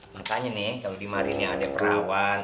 makanya nih kalau dimari nih ada perawan